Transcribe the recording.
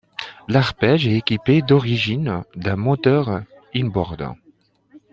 L'Arpege est équipé d'origine d'un moteur in-board.